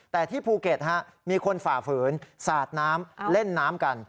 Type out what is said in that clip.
แต่ที่ภูเก็ตมีคนฝ่าฝืนสาดน้ำเล่นน้ำกัน